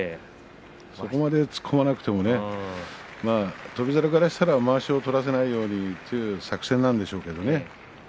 そこまで突っ込まなくても翔猿からしたらまわしを取らせないようにという作戦なんでしょうけどね。